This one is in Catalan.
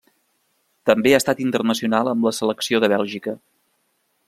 També ha estat internacional amb la selecció de Bèlgica.